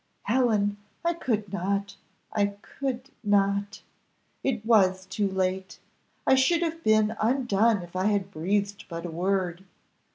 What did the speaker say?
"Helen, I could not I could not. It was too late, I should have been undone if I had breathed but a word.